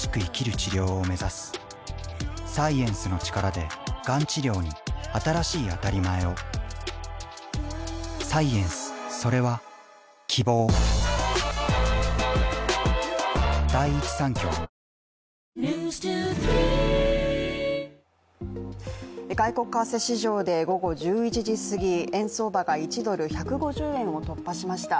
治療を目指すサイエンスの力でがん治療に新しいあたりまえを外国為替市場で午後１１時すぎ、円相場が１ドル＝１５０円を突破しました。